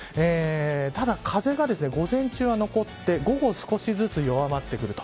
ただ、風が午前中は残って午後少しずつ弱まってくる。